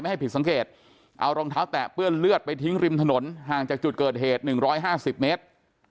ให้ผิดสังเกตเอารองเท้าแตะเปื้อนเลือดไปทิ้งริมถนนห่างจากจุดเกิดเหตุ๑๕๐เมตร